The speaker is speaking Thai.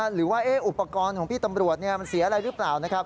หรือว่าอุปกรณ์ของพี่ตำรวจเสียอะไรหรือเปล่า